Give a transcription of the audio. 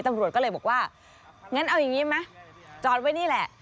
ตำรวจก็เลยบอกว่างั้นเอาอย่างนี้ไหมจอดไว้นี่แหละ